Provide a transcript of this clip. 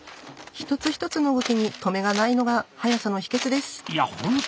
一つ一つの動きに止めがないのが速さの秘けつです。